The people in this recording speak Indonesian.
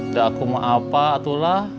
gak aku mau apa atulah